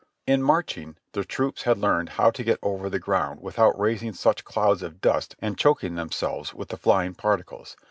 In marching, the troops had learned how to get over the ground without raising such clouds of dust and choking them selves with the flying particles.